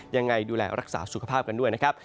ยังไงดูแลรักษาสุขภาพกันด้วยนะครับ